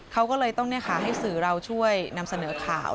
เขาก็เลยต้องให้สื่อเราช่วยนำเสนอข่าว